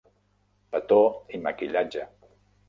Petó i maquillatge.